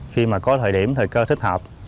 khi mà có thời điểm thời cơ thích hợp